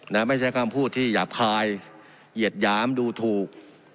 ไม่ใช่คำพูดที่หยาบคายเหยียดหยามดูถูก